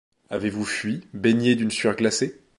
Avez-vous fui, baigné d'une sueur glacée ?